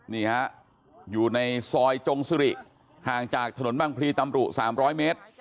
นี่ฮะอยู่ในซอยจงสุริห่างจากถนนบางพลีตำรุ๓๐๐เมตร